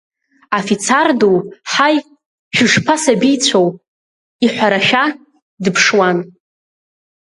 Афицар ду, ҳаи, шәышԥасабицәоу иҳәарашәа, дыԥшуан.